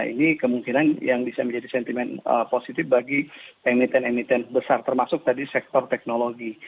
ini kemungkinan yang bisa menjadi sentimen positif bagi emiten emiten besar termasuk tadi sektor teknologi